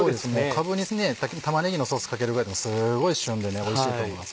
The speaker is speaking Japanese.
かぶに先に玉ねぎのソースかけるくらいでもすごい旬でおいしいと思います